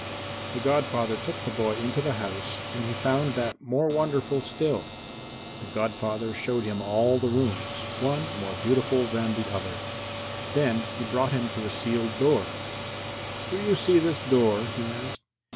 The godfather took the boy into the house and he found that more wonderful still. The godfather showed him all the rooms one more beautiful than the other then he brought him to a sealed door. "Do you see this door?" he asked.